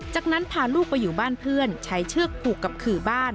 จากนั้นพาลูกไปอยู่บ้านเพื่อนใช้เชือกผูกกับขื่อบ้าน